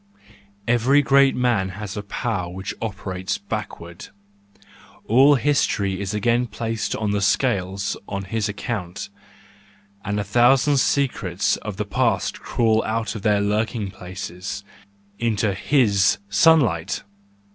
—Every great man has a power which operates backward; all history is 74 THE JOYFUL WISDOM, I again placed on the scales on his account, and a thousand secrets of the past crawl out of their lurking places—into his sunlight.